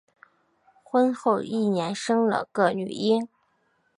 婚后一年生了个女婴